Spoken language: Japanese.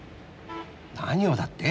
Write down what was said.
何をだって？